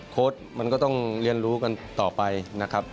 โค้ดมันก็ต้องเรียนรู้กันต่อไปนะครับ